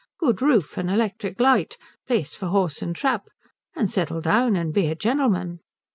Good roof and electric light. Place for horse and trap. And settle down and be a gentleman."